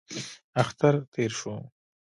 اختر تېر شو.